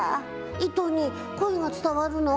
糸に声が伝わるの？